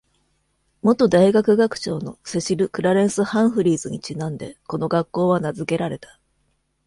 元大学学長のセシル・クラレンス・ハンフリーズにちなんで、この学校は名付けられた。